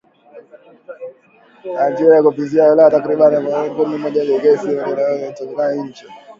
Algeria kuipatia ulaya takribani asilimia kumi na moja ya gesi yake inayoagizwa kutoka nje